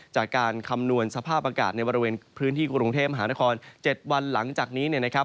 คำนวณสภาพอากาศในบริเวณพื้นที่กรุงเทพมหานคร๗วันหลังจากนี้เนี่ยนะครับ